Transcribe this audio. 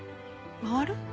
回る？